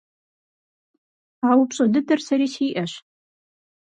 А упщӏэ дыдэр сэри сиӏэщ.